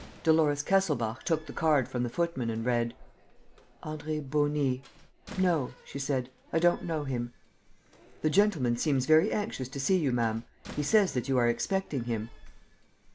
Dolores Kesselbach took the card from the footman and read: "André Beauny. ... No," she said, "I don't know him." "The gentleman seems very anxious to see you, ma'am. He says that you are expecting him."